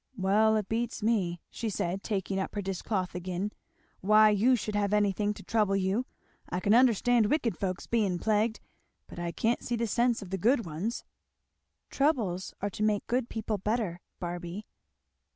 "Well it beats me," she said taking up her dishcloth again, "why you should have anything to trouble you. I can understand wicked folks being plagued, but I can't see the sense of the good ones." "Troubles are to make good people better, Barby."